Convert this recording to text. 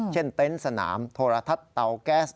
เต็นต์สนามโทรทัศน์เตาแก๊ส